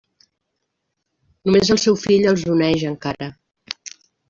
Només el seu fill els uneix encara.